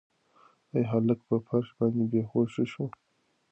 ایا هلک په فرش باندې بې هوښه شو؟